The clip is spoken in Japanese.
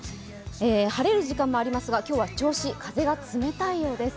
晴れる時間もありますが、今日は銚子、風が冷たいようです。